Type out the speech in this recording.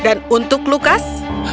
dan untuk lukas